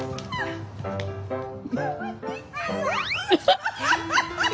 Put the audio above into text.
アハハハハハ！